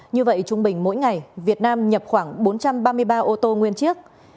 như vậy trung bình mỗi ngày việt nam nhập khoảng bốn trăm ba mươi ba ô tô nguyên chiếc